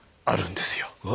あるんですよ。